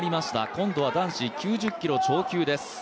今度は男子９０キロ超級です。